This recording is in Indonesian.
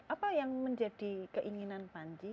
apa yang menjadi keinginan panji